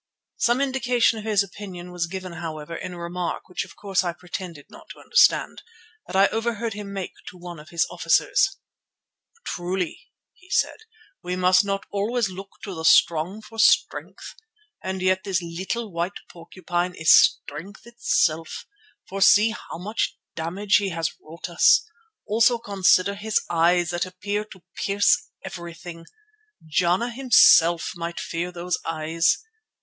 Some indication of his opinion was given, however, in a remark, which of course I pretended not to understand, that I overheard him make to one of his officers: "Truly," he said, "we must not always look to the strong for strength. And yet this little white porcupine is strength itself, for see how much damage he has wrought us. Also consider his eyes that appear to pierce everything. Jana himself might fear those eyes.